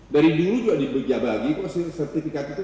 dari dulu juga dibejabagi kok sertifikat itu